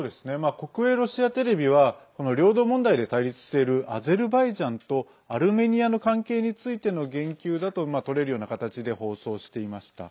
国営ロシアテレビはこの領土問題で対立しているアゼルバイジャンとアルメニアの関係についての言及だととれるような形で放送していました。